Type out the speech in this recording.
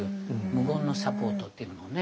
無言のサポートっていうものもね。